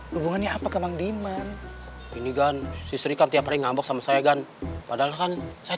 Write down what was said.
hubungannya apa kemang diman ini gan istrikan tiap hari ngambek sama saya gan padahal kan saya